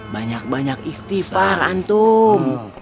banyak banyak istighfar antum